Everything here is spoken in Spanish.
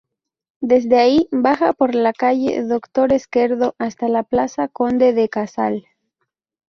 Desde ahí, baja por la calle Doctor Esquerdo hasta la plaza Conde de Casal.